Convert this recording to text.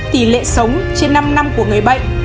tỉ lệ sống trên năm năm của người bệnh